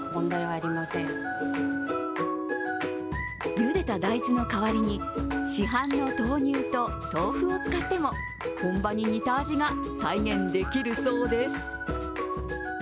ゆでた大豆の代わりに市販の豆乳と豆腐を使っても本場に似た味が再現できるそうです。